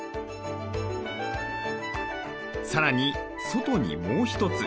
さらに外にもう一つ。